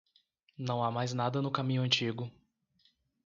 Não há mais nada no caminho antigo.